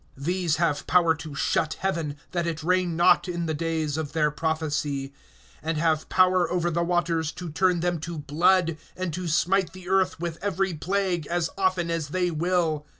(6)These have power to shut heaven, that it rain not in the days of their prophecy; and have power over the waters to turn them to blood, and to smite the earth with every plague, as often as they will.